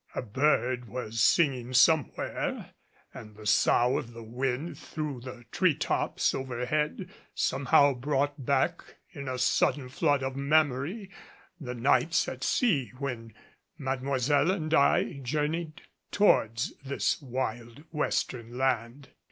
A bird was singing somewhere and the sough of the wind through the tree tops overhead somehow brought back in a sudden flood of memory the nights at sea when Mademoiselle and I journeyed towards this wild western land.